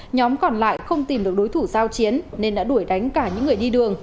nhóm còn lại không tìm được đối thủ giao chiến nên đã đuổi đánh cả những người đi đường